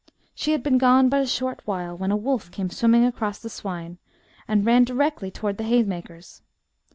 She had been gone but a short while, when a wolf came swimming across the Swine, and ran directly towards the haymakers.